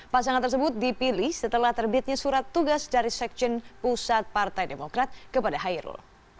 pasangan tersebut dipilih setelah terbitnya surat tugas dari sekjen pusat partai demokrat kepada hairul